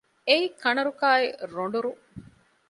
އެއީ ކަނަ ރުކާއި ރޮނޑު ރުއް